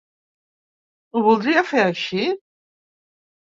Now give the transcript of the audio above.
Ho voldria fer així?